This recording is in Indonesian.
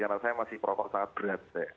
karena saya masih promos sangat berat